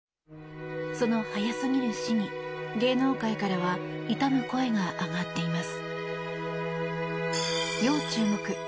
その早すぎる死に芸能界からは悼む声が上がっています。